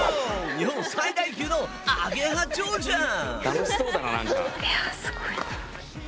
日本最大級のアゲハチョウじゃん！